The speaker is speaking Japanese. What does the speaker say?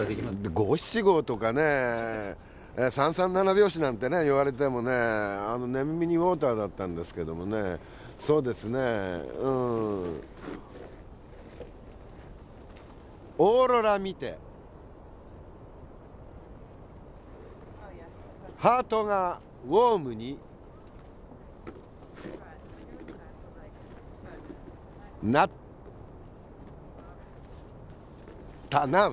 五七五とかね三三七拍子なんて言われてもね寝耳にウオーターだったんですけどもねそうですねえうん「オーロラ見てハートがウオームになったナウ」。